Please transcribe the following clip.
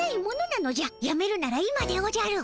やめるなら今でおじゃる。